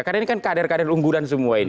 karena ini kan karir karir unggulan semua ini